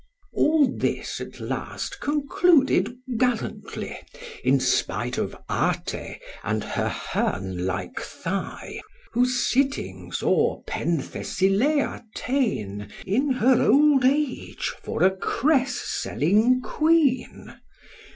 All this at last concluded gallantly, In spite of Ate and her hern like thigh, Who, sitting, saw Penthesilea ta'en, In her old age, for a cress selling quean.